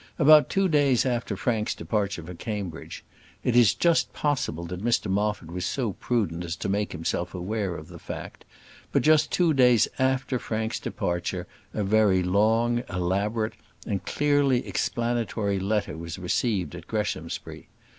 About two days after Frank's departure for Cambridge it is just possible that Mr Moffat was so prudent as to make himself aware of the fact but just two days after Frank's departure, a very long, elaborate, and clearly explanatory letter was received at Greshamsbury.